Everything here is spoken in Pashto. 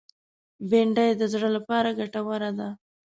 بېنډۍ د زړه لپاره ګټوره ده